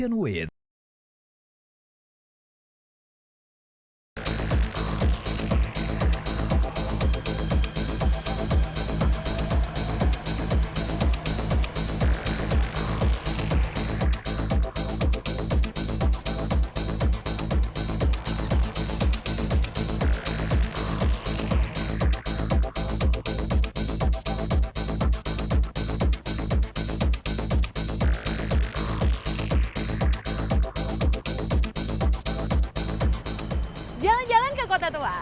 jalan jalan ke kota tua